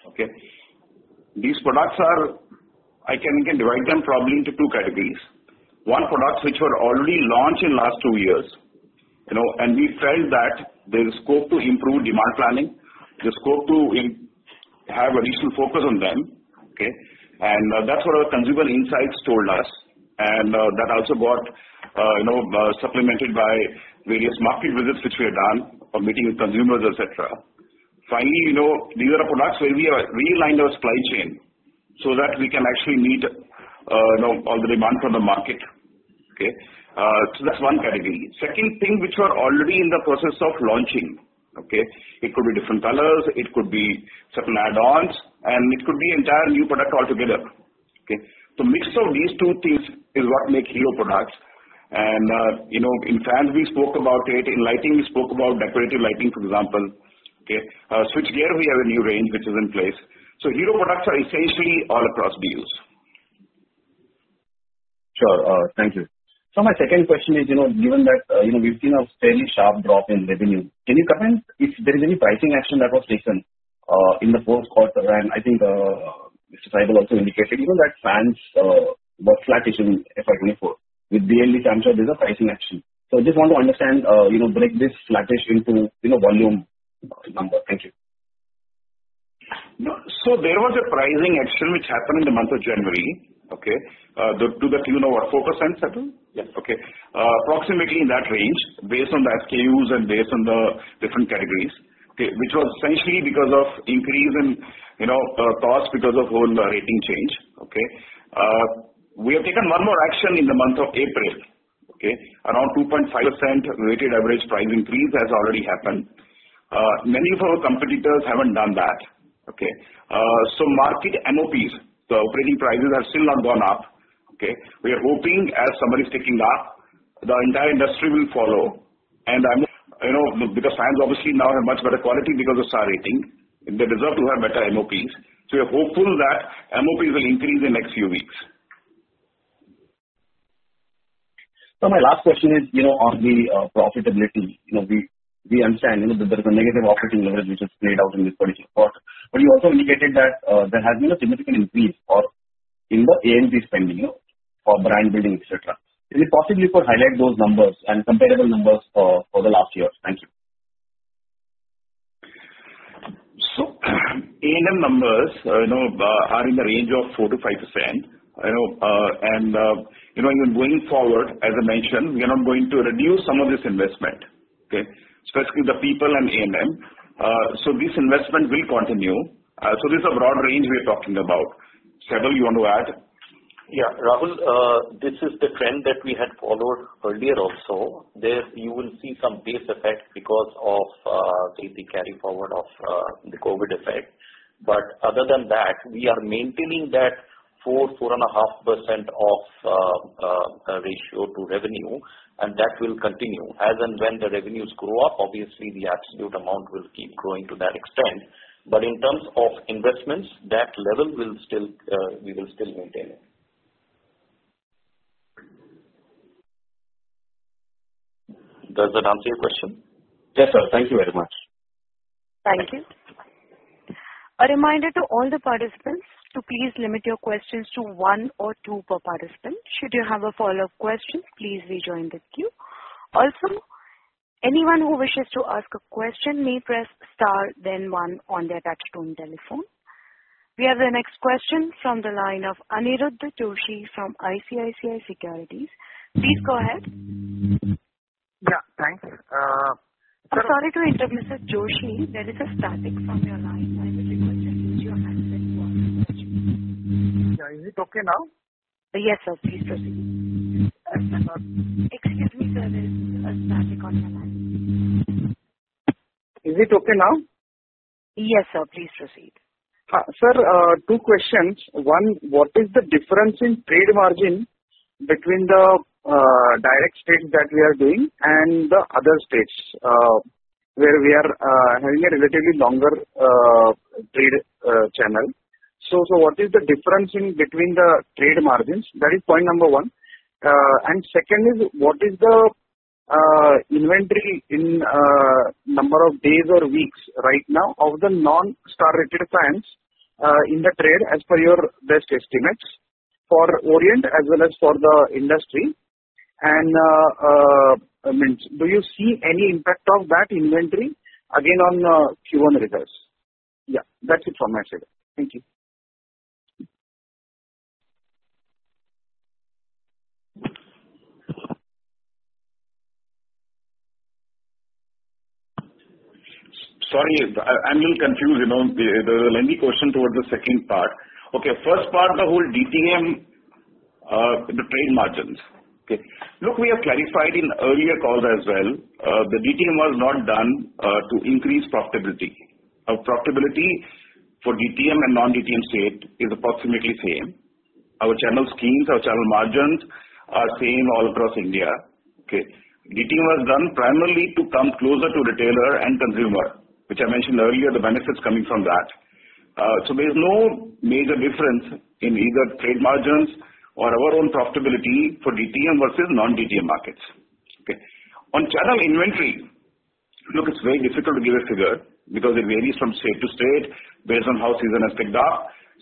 okay? These products are, I can divide them probably into two categories. One, products which were already launched in last two years. You know, we felt that there is scope to improve demand planning, there's scope to have a decent focus on them, okay? That's what our consumer insights told us and that also got, you know, supplemented by various market visits which we have done for meeting with consumers, et cetera. Finally, you know, these are the products where we are realigning our supply chain so that we can actually meet, you know, all the demand from the market. That's one category. Second thing, which we are already in the process of launching, okay? It could be different colors, it could be certain add-ons, and it could be entire new product altogether. Okay? The mix of these two things is what make hero products. you know, in fans we spoke about it. In lighting we spoke about decorative lighting, for example. Okay. Switchgear we have a new range which is in place. hero products are essentially all across BUs. Sure. Thank you. My second question is, you know, given that, you know, we've seen a fairly sharp drop in revenue, can you comment if there is any pricing action that was taken in the fourth quarter? I think Mr. Saibal also indicated, you know, that fans were flattish in FY 2024. With DLE comes, there's a pricing action. I just want to understand, you know, break this flattish into, you know, volume number. Thank you. No. There was a pricing action which happened in the month of January, okay? To the tune of what, 4%, Saibal? Yeah. Okay. Approximately in that range based on the SKUs and based on the different categories, okay, which was essentially because of increase in, you know, cost because of whole rating change. Okay. We have taken one more action in the month of April. Okay. Around 2.5% weighted average price increase has already happened. Many of our competitors haven't done that. Okay. So market MOPs, the operating prices, have still not gone up. Okay. We are hoping as somebody is taking up, the entire industry will follow. You know, because fans obviously now have much better quality because of star rating. They deserve to have better MOPs. We are hopeful that MOPs will increase in next few weeks. My last question is, you know, on the profitability. You know, we understand, you know, that there is a negative operating leverage which is played out in this particular quarter. You also indicated that there has been a significant increase in the A&P spending for brand building, et cetera. Is it possible if you highlight those numbers and comparable numbers for the last year? Thank you. A&M numbers, you know, are in the range of 4%-5%. You know, even going forward, as I mentioned, we are now going to reduce some of this investment, okay? Especially the people and A&M. This investment will continue. This is a broad range we're talking about. Saibal, you want to add? Yeah. Rahul, this is the trend that we had followed earlier also. There you will see some base effect because of the carry forward of the COVID effect. Other than that, we are maintaining that 4.5% of ratio to revenue, and that will continue. As and when the revenues grow up, obviously the absolute amount will keep growing to that extent. In terms of investments, that level will still we will still maintain it. Does that answer your question? Yes, sir. Thank you very much. Thank you. A reminder to all the participants to please limit your questions to one or two per participant. Should you have a follow-up question, please rejoin the queue. Also, anyone who wishes to ask a question may press star then one on their touchtone telephone. We have the next question from the line of Aniruddha Joshi from ICICI Securities. Please go ahead. Yeah. Thanks. I'm sorry to interrupt, Mr. Joshi. There is a static from your line. I will request you to mute your microphone. Yeah. Is it okay now? Yes, sir. Please proceed. Excuse me, sir. There is a static on your line. Is it okay now? Yes, sir. Please proceed. Sir, two questions. One, what is the difference in trade margin between the direct states that we are doing and the other states where we are having a relatively longer trade channel. What is the difference in between the trade margins? That is point number one. Second is what is the inventory in number of days or weeks right now of the non-star rated fans in the trade as per your best estimates for Orient as well as for the industry? I mean, do you see any impact of that inventory again on Q1 results? Yeah. That's it from my side. Thank you. Sorry, I'm a little confused, you know, the lengthy question towards the second part. Okay, first part, the whole DTM, the trade margins. Okay. Look, we have clarified in earlier calls as well. The DTM was not done to increase profitability. Our profitability for DTM and non-DTM state is approximately same. Our channel schemes, our channel margins are same all across India. Okay. DTM was done primarily to come closer to retailer and consumer, which I mentioned earlier, the benefits coming from that. So there's no major difference in either trade margins or our own profitability for DTM versus non-DTM markets. Okay. On channel inventory. Look, it's very difficult to give a figure because it varies from state to state based on how season has picked up.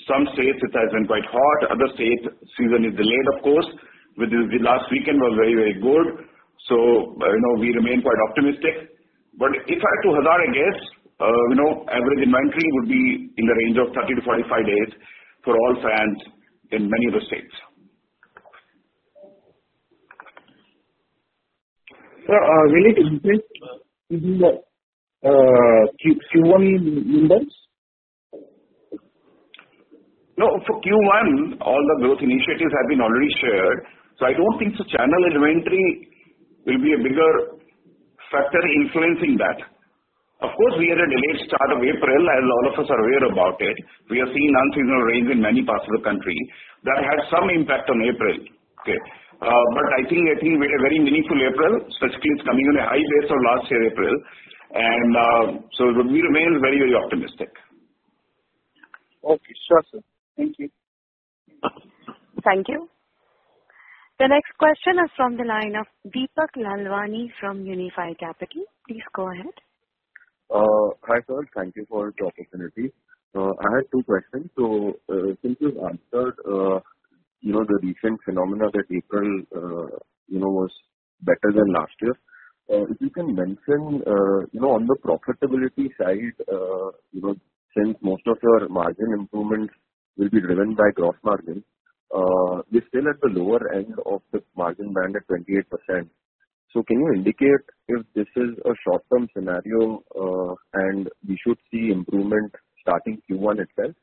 Some states it has been quite hot, other states season is delayed, of course. The, the last weekend was very, very good. You know, we remain quite optimistic. If I had to hazard a guess, you know, average inventory would be in the range of 30 days-45 days for all fans in many of the states. Sir, will it increase in the Q1 numbers? For Q1, all the growth initiatives have been already shared, I don't think the channel inventory will be a bigger factor influencing that. Of course, we had a delayed start of April, as a lot of us are aware about it. We are seeing unseasonal rains in many parts of the country. That had some impact on April. Okay. I think we had a very meaningful April, specifically it's coming on a high base of last year April and we remain very, very optimistic. Okay. Sure, sir. Thank you. Thank you. The next question is from the line of Deepak Lalwani from Unifi Capital. Please go ahead. Hi, sir. Thank you for the opportunity. I have two questions. Since you've answered, you know, the recent phenomena that April, you know, was better than last year. If you can mention, you know, on the profitability side, you know, since most of your margin improvements will be driven by gross margin, we're still at the lower end of the margin band at 28%. Can you indicate if this is a short-term scenario, and we should see improvement starting Q1 itself?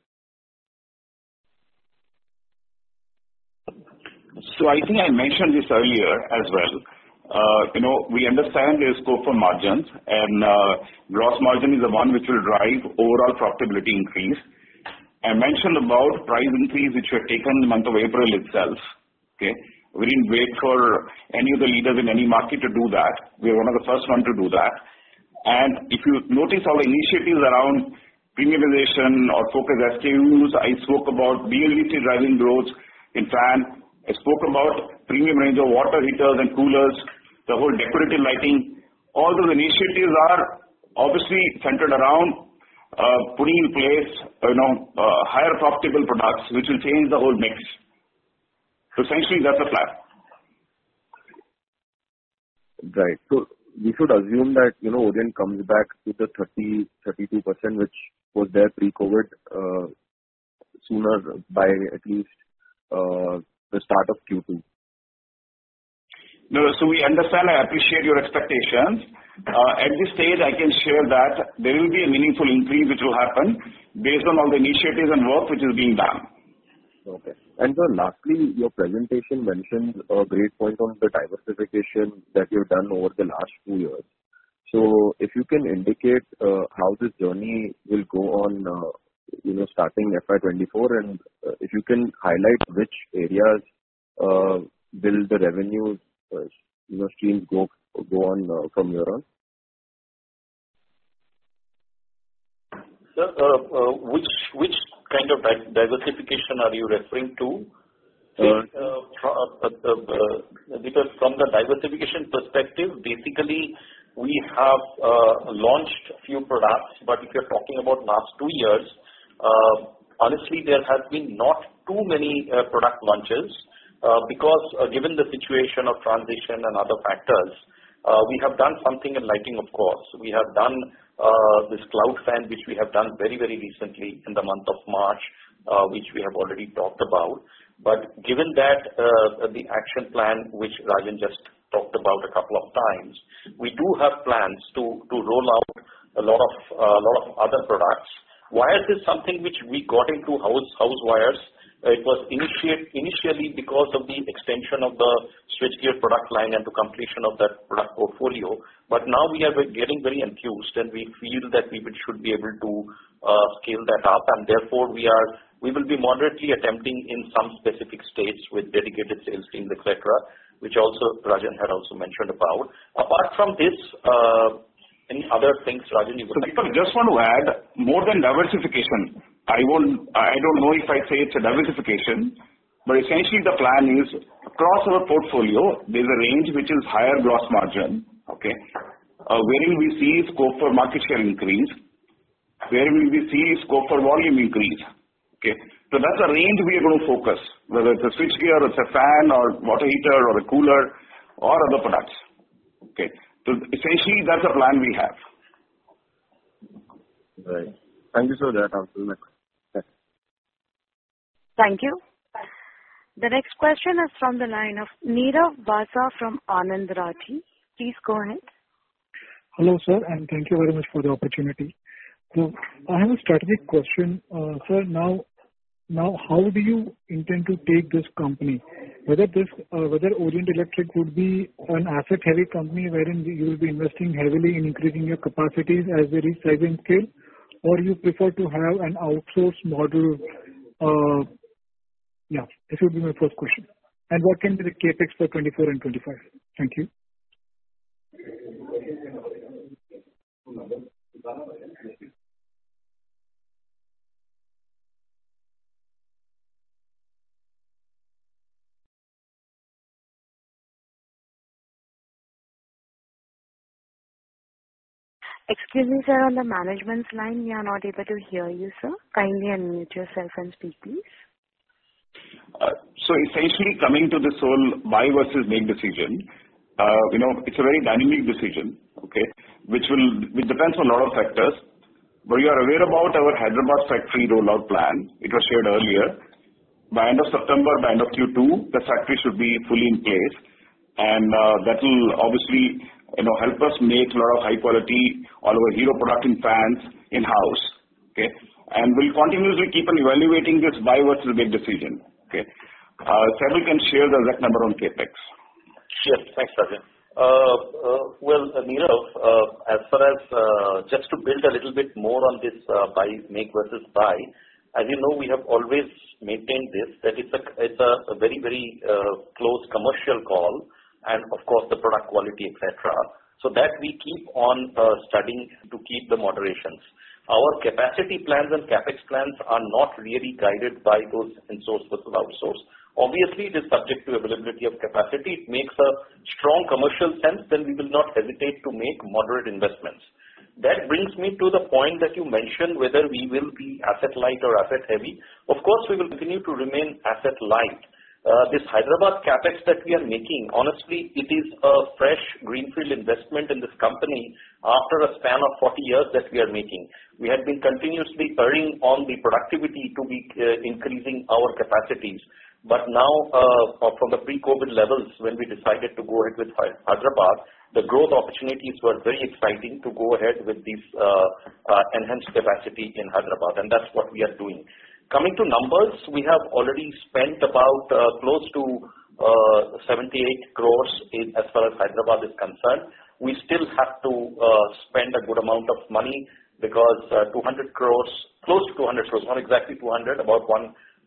I think I mentioned this earlier as well. You know, we understand there's scope for margins and gross margin is the one which will drive overall profitability increase. I mentioned about price increase, which were taken in the month of April itself. Okay? We didn't wait for any of the leaders in any market to do that. We are one of the first one to do that. If you notice our initiatives around premiumization or focused SKUs, I spoke about BLDC driving growth in fan. I spoke about premium range of water heaters and coolers, the whole decorative lighting. All those initiatives are obviously centered around putting in place, you know, higher profitable products which will change the whole mix. Essentially that's the plan. Right. We should assume that, you know, Orient comes back to the 30%-32%, which was there pre-COVID, sooner by at least the start of Q2. No. We understand and appreciate your expectations. At this stage, I can share that there will be a meaningful increase which will happen based on all the initiatives and work which is being done. Okay. Sir, lastly, your presentation mentioned a great point on the diversification that you've done over the last two years. If you can indicate how this journey will go on, you know, starting FY 2024, and if you can highlight which areas will the revenue, you know, streams go on from here on? Sir, which kind of diversification are you referring to? Uh- From the diversification perspective, basically we have launched a few products. If you're talking about last two years, honestly, there has been not too many product launches because given the situation of transition and other factors, we have done something in lighting of course. We have done this Cloud fan, which we have done very, very recently in the month of March, which we have already talked about. Given that the action plan which Rajan just talked about a couple of times, we do have plans to roll out a lot of other products. Why is this something which we got into house wires? It was initially because of the extension of the switchgear product line and the completion of that product portfolio. Now we are getting very enthused, and we feel that we should be able to scale that up and therefore we will be moderately attempting in some specific states with dedicated sales teams, etc., which also Rajan had also mentioned about. Apart from this, any other things, Rajan you would like? Sir, I just want to add more than diversification. I don't know if I'd say it's a diversification, essentially the plan is across our portfolio there's a range which is higher gross margin. Okay? Where we see scope for market share increase, where we see scope for volume increase. Okay? That's a range we are gonna focus, whether it's a switchgear or it's a fan or water heater or a cooler or other products. Okay? Essentially that's the plan we have. Right. Thank you, sir. That helps a lot. Yes. Thank you. The next question is from the line of Nirav Vasa from Anand Rathi. Please go ahead. Hello, sir, thank you very much for the opportunity. I have a strategic question. Sir, now how do you intend to take this company? Whether Orient Electric would be an asset heavy company wherein you will be investing heavily in increasing your capacities as they reach certain scale, or you prefer to have an outsource model? Yeah, this would be my first question. What can be the CapEx for 2024 and 2025? Thank you. Excuse me, sir, on the management's line, we are not able to hear you, sir. Kindly unmute yourself and speak, please. Essentially coming to this whole buy versus make decision, you know, it's a very dynamic decision, okay? Which depends on a lot of factors. You are aware about our Hyderabad factory rollout plan. It was shared earlier. By end of September, by end of Q2, the factory should be fully in place. That will obviously, you know, help us make lot of high quality all our hero product in fans in-house. Okay? We'll continuously keep on evaluating this buy versus make decision, okay? Samuel can share the exact number on CapEx. Yes. Thanks, Rajan. Well, Nirav, as far as just to build a little bit more on this, buy, make versus buy, as you know, we have always maintained this, that it's a, it's a very, very close commercial call and of course the product quality, et cetera. That we keep on studying to keep the moderations. Our capacity plans and CapEx plans are not really guided by those in-source versus outsource. Obviously, it is subject to availability of capacity. It makes a strong commercial sense, we will not hesitate to make moderate investments. That brings me to the point that you mentioned, whether we will be asset light or asset heavy. Of course, we will continue to remain asset light. This Hyderabad CapEx that we are making, honestly, it is a fresh greenfield investment in this company after a span of 40 years that we are making. We had been continuously earning on the productivity to be increasing our capacities. Now, from the pre-COVID levels, when we decided to go ahead with Hyderabad, the growth opportunities were very exciting to go ahead with this enhanced capacity in Hyderabad, and that's what we are doing. Coming to numbers, we have already spent about close to 78 crores in as far as Hyderabad is concerned. We still have to spend a good amount of money because 200 crores, close to 200 crores, not exactly 200, about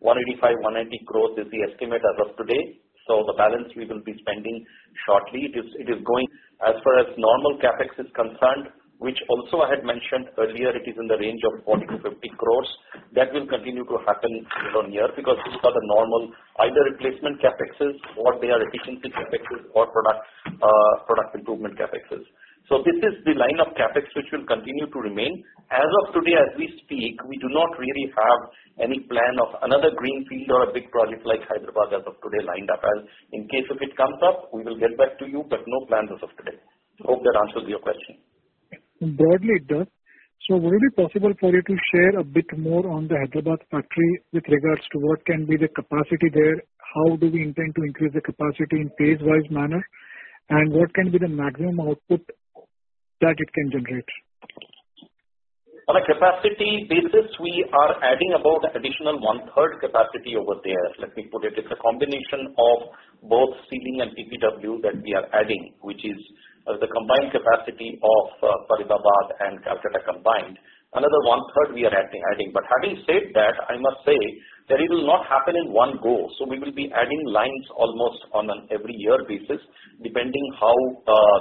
185 crores-190 crores is the estimate as of today. The balance we will be spending shortly. It is going as far as normal CapEx is concerned, which also I had mentioned earlier, it is in the range of 40 crores-50 crores. That will continue to happen year-on-year, because these are the normal either replacement CapExes or they are efficiency CapExes or product improvement CapExes. This is the line of CapEx which will continue to remain. As of today, as we speak, we do not really have any plan of another greenfield or a big project like Hyderabad as of today lined up. In case if it comes up, we will get back to you, but no plans as of today. Hope that answers your question. Broadly it does. Would it be possible for you to share a bit more on the Hyderabad factory with regards to what can be the capacity there? How do we intend to increase the capacity in phase-wise manner? What can be the maximum output that it can generate? On a capacity basis, we are adding about additional one-third capacity over there. Let me put it's a combination of both ceiling and PPW that we are adding, which is the combined capacity of Faridabad and Calcutta combined. Another 1/3 we are adding. Having said that, I must say that it will not happen in one go. We will be adding lines almost on an every year basis, depending how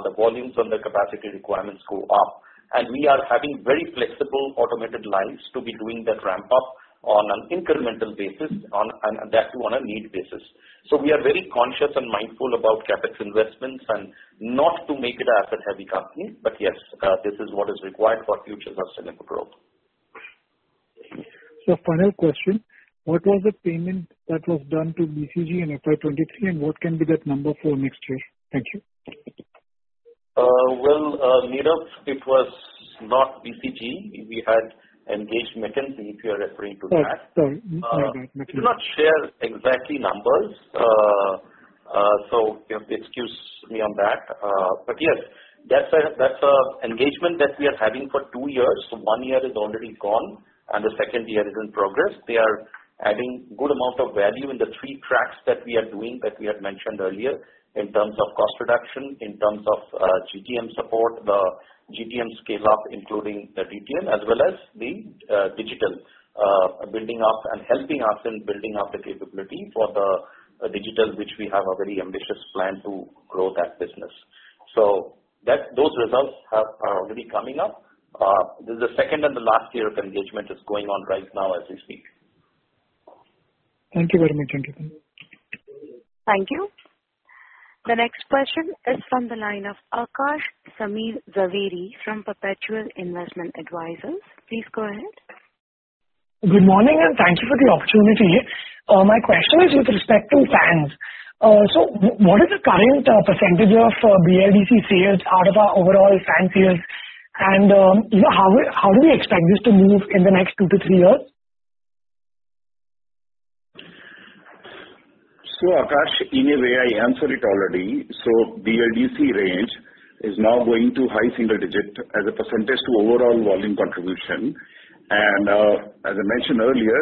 the volumes and the capacity requirements go up. We are adding very flexible automated lines to be doing that ramp up on an incremental basis on, and that too on a need basis. We are very conscious and mindful about CapEx investments and not to make it a asset heavy company. Yes, this is what is required for future sustainable growth. Final question. What was the payment that was done to BCG in FY 2023 and what can be that number for next year? Thank you. Well, Nirav, it was not BCG. We had engaged McKinsey, if you are referring to that. Sorry. McKinsey. We do not share exactly numbers. You have to excuse me on that. Yes, that's a engagement that we are having for two years. One year is already gone and the second year is in progress. They are adding good amount of value in the three tracks that we are doing, that we had mentioned earlier, in terms of cost reduction, in terms of GTM support, the GTM scale up, including the DTM, as well as the digital, building up and helping us in building up the capability for the digital, which we have a very ambitious plan to grow that business. That, those results are already coming up. This is the second and the last year of engagement is going on right now as we speak. Thank you very much. Thank you. Thank you. The next question is from the line of Aakash Samir Javeri from Perpetual Investment Advisors. Please go ahead. Good morning, and thank you for the opportunity. My question is with respect to fans. What is the current percentage of BLDC sales out of our overall fan sales? You know, how do we expect this to move in the next two to three years? Akash, in a way, I answered it already. BLDC range is now going to high single digit as a percentage to overall volume contribution. As I mentioned earlier,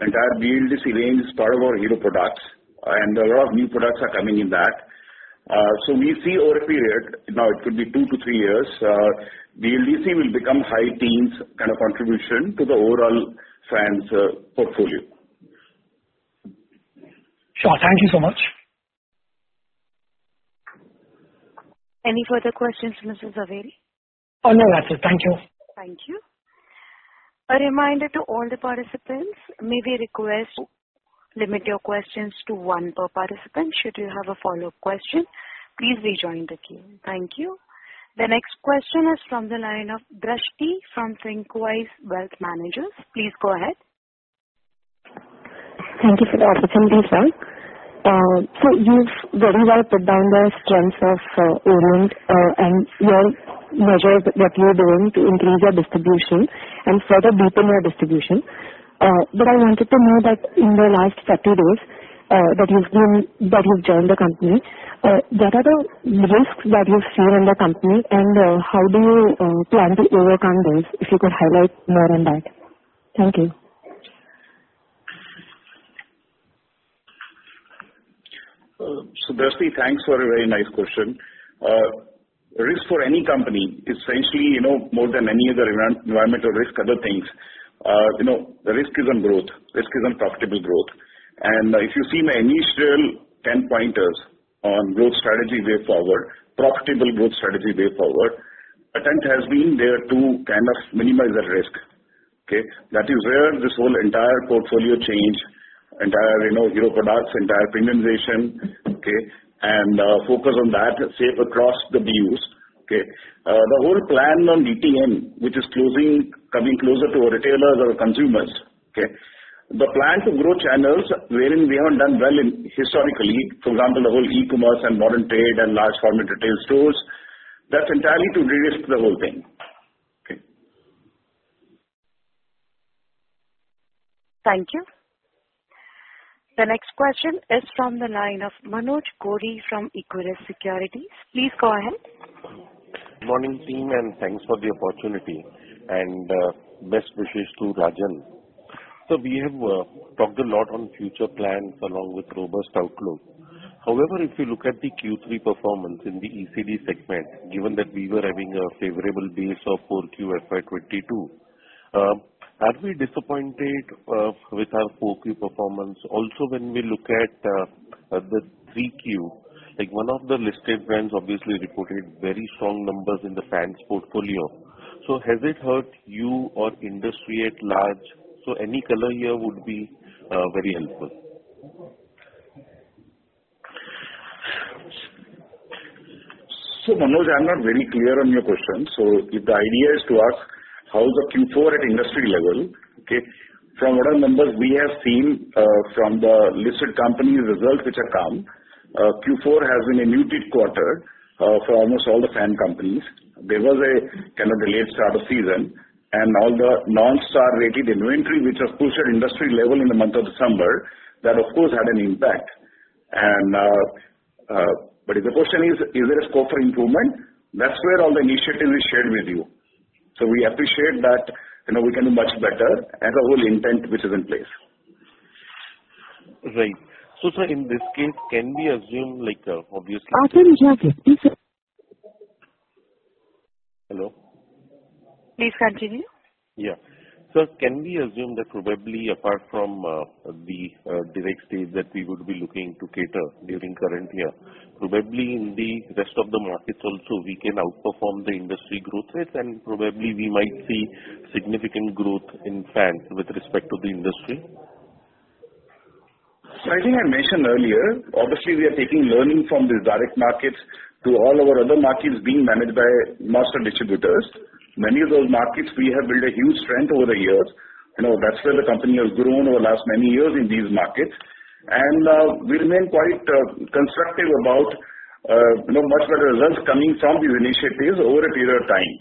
entire BLDC range is part of our hero products and a lot of new products are coming in that. We see over a period, now it could be two to three years, BLDC will become high teens kind of contribution to the overall fans, portfolio. Sure. Thank you so much. Any further questions, Mr. Javeri? Oh, no, that's it. Thank you. Thank you. A reminder to all the participants, may we request limit your questions to one per participant. Should you have a follow-up question, please rejoin the queue. Thank you. The next question is from the line of Drashti from Thinqwise Wealth Managers. Please go ahead. Thank you for the opportunity, sir. You've very well put down the strengths of Orient and your measures that you're doing to increase your distribution and further deepen your distribution. I wanted to know that in the last 30 days, that you've joined the company, what are the risks that you see in the company and how do you plan to overcome those? If you could highlight more on that. Thank you. Drashti, thanks for a very nice question. Risk for any company, essentially, you know, more than any other environmental risk other things, you know, the risk is on growth, risk is on profitable growth. If you see my initial 10 pointers on growth strategy way forward, profitable growth strategy way forward, intent has been there to kind of minimize that risk. That is where this whole entire portfolio change, entire, you know, new products, entire premiumization, and focus on that safe across the BUs. The whole plan on DTM, which is coming closer to our retailers or consumers. The plan to grow channels wherein we haven't done well in historically, for example, the whole e-commerce and modern trade and large format retail stores, that's entirely to de-risk the whole thing. Thank you. The next question is from the line of Manoj Gori from Equirus Securities. Please go ahead. Good morning, team, and thanks for the opportunity. Best wishes to Rajan. We have talked a lot on future plans along with robust outlook. However, if you look at the Q3 performance in the ECD segment, given that we were having a favorable base of poor Q FY 2022, are we disappointed with our poor Q performance? When we look at the 3Q, like one of the listed brands obviously reported very strong numbers in the fans portfolio. Has it hurt you or industry at large? Any color here would be very helpful. Manoj, I'm not very clear on your question. If the idea is to ask how is the Q4 at industry level, okay, from what all numbers we have seen, from the listed company results which have come, Q4 has been a muted quarter for almost all the fan companies. There was a kind of a late start of season and all the non-star rated inventory which has pushed at industry level in the month of December, that of course had an impact. But if the question is there a scope for improvement, that's where all the initiatives we shared with you. We appreciate that, you know, we can do much better and our whole intent which is in place. Right. Sir, in this case, can we assume like. I think we have this. Please go- Hello? Please continue. Sir, can we assume that probably apart from the direct states that we would be looking to cater during current year, probably in the rest of the markets also we can outperform the industry growth rates and probably we might see significant growth in fans with respect to the industry? I think I mentioned earlier, obviously we are taking learning from the direct markets to all our other markets being managed by master distributors. Many of those markets we have built a huge strength over the years. You know, that's where the company has grown over the last many years in these markets. We remain quite constructive about, you know, much of the results coming from these initiatives over a period of time.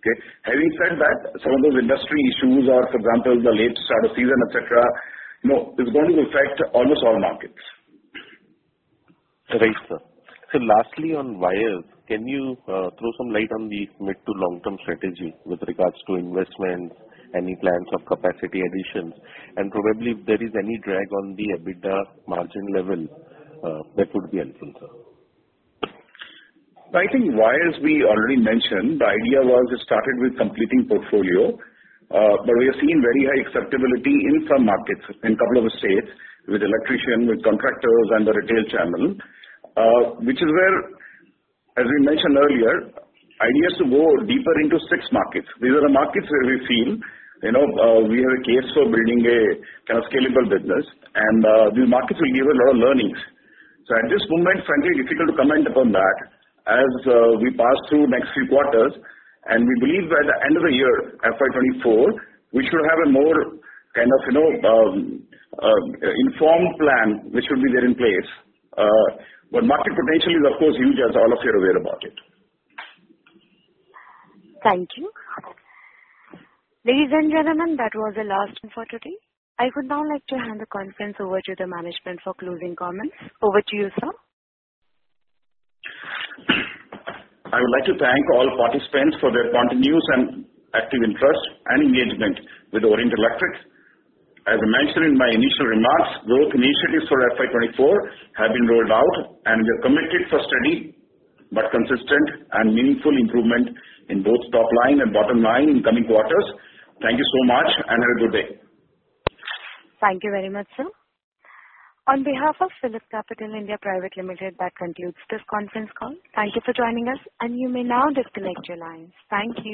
Okay? Having said that, some of those industry issues are, for example, the late start of season, et cetera, you know, is going to affect almost all markets. Right, sir. Lastly on wires, can you throw some light on the mid to long-term strategy with regards to investments, any plans of capacity additions, and probably if there is any drag on the EBITDA margin level, that would be helpful, sir. I think wires we already mentioned. The idea was it started with completing portfolio, but we are seeing very high acceptability in some markets, in couple of states, with electrician, with contractors and the retail channel, which is where, as we mentioned earlier, idea is to go deeper into 6 markets. These are the markets where we feel, you know, we have a case for building a kind of scalable business and, these markets will give a lot of learnings. At this moment, frankly difficult to comment upon that as, we pass through next few quarters and we believe by the end of the year, FY 2024, we should have a more kind of, you know, informed plan which should be there in place. Market potential is of course huge as all of you are aware about it. Thank you. Ladies and gentlemen, that was the last one for today. I would now like to hand the conference over to the management for closing comments. Over to you, sir. I would like to thank all participants for their continuous and active interest and engagement with Orient Electric. As I mentioned in my initial remarks, growth initiatives for FY 2024 have been rolled out, and we are committed for steady but consistent and meaningful improvement in both top line and bottom line in coming quarters. Thank you so much and have a good day. Thank you very much, sir. On behalf of PhillipCapital (India) Private Limited, that concludes this conference call. Thank you for joining us and you may now disconnect your lines. Thank you.